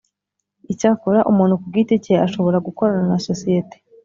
Icyakora umuntu ku giti cye ashobora gukorana na sosiyete